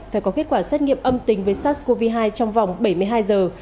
phải có kết quả xét nghiệm âm tính với sars cov hai trong vòng bảy mươi hai giờ